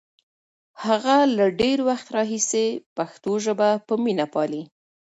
هغه له ډېر وخت راهیسې پښتو ژبه په مینه پالي.